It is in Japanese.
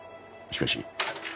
しかし。